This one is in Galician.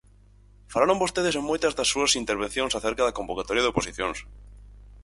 Falaron vostedes en moitas das súas intervencións acerca da convocatoria de oposicións.